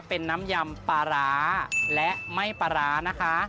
เป็นน้ำยำปลาร้าและไหม้ปลาร้านะคะ